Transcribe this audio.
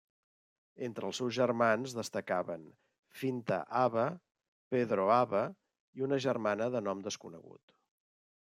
Entre els seus germans destacaven Finta Aba, Pedro Aba i una germana de nom desconegut.